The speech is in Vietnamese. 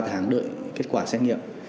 háng đợi kết quả xét nghiệm